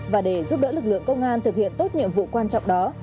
và để giúp đỡ lực lượng công an thực hiện tốt nhiệm vụ quan trọng đó